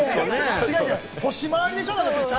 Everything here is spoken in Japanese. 星回りでしょ？